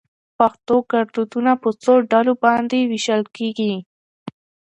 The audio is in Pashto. پښتو ګړدودونه په څو ډلو باندي ويشل کېږي؟